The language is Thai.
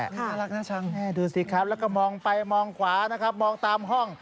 นี่น่ารักนะชังดูสิครับแล้วก็มองไปมองขวามองตามห้อง